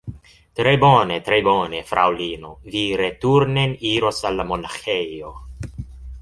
Tre bone, tre bone, Fraŭlino, vi returnen iros al la monaĥejo